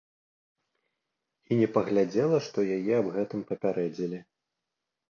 І не паглядзела, што яе аб гэтым папярэдзілі.